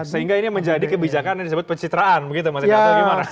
sehingga ini menjadi kebijakan yang disebut pencitraan begitu mas hendra